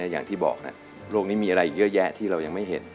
อย่างที่บอกนะ